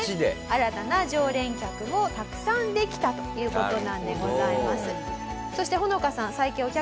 新たな常連客もたくさんできたという事なのでございます。